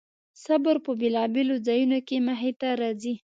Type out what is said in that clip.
صبر په بېلابېلو ځایونو کې مخې ته راځي.